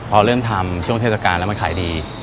พอเริ่มทำช่วงเทศกาลแล้วมันขายดี